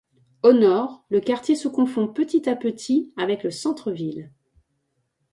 Au Nord, le quartier se confond petit à petit avec le centre-ville.